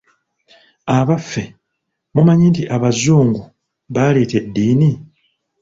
Abaffe mumanyi nti abazungu baaleeta eddiini?